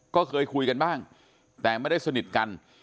ก็เคยคุยกันบ้างแต่ไม่ได้สนิทกัน